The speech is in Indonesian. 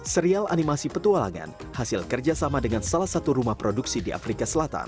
serial animasi petualangan hasil kerjasama dengan salah satu rumah produksi di afrika selatan